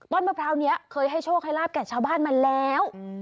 มะพร้าวนี้เคยให้โชคให้ลาบแก่ชาวบ้านมาแล้ว